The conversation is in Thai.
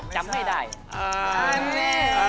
จำไม่ได้